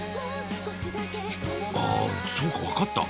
あそうか分かった。